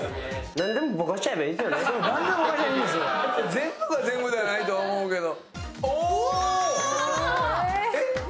全部が全部じゃないとは思うけど。